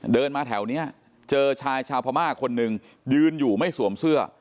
เดินมาแถวนี้เจอชายชาวพม่าคนหนึ่งยืนอยู่ไม่สวมเสื้อ